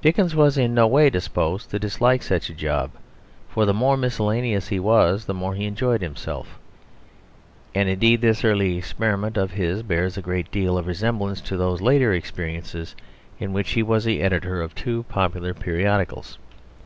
Dickens was in no way disposed to dislike such a job; for the more miscellaneous he was the more he enjoyed himself. And indeed this early experiment of his bears a great deal of resemblance to those later experiences in which he was the editor of two popular periodicals.